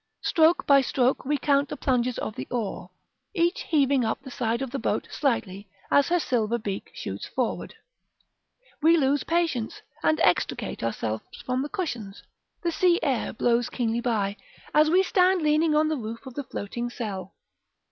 Stroke by stroke we count the plunges of the oar, each heaving up the side of the boat slightly as her silver beak shoots forward. We lose patience, and extricate ourselves from the cushions: the sea air blows keenly by, as we stand leaning on the roof of the floating cell.